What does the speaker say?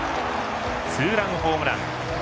ツーランホームラン。